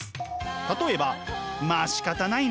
例えばまあしかたないな。